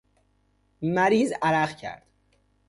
مریض عرق کرد.